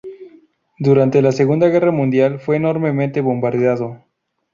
Durante la Segunda Guerra Mundial, fue enormemente bombardeado.